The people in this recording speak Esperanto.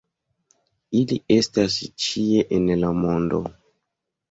Ili estas ĉie en la mondo.